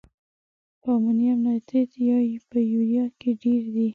په امونیم نایتریت یا په یوریا کې ډیر دی؟